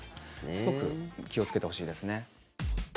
すごく気をつけてほしいですね。